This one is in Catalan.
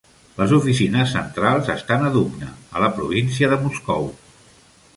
Les oficines centrals estan a Dubna, a la província de Moscou.